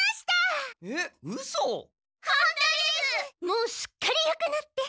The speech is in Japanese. もうすっかりよくなって。